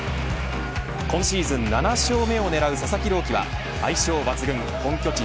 今シーズン７勝目を狙う佐々木朗希は相性抜群の本拠地ＺＯＺＯ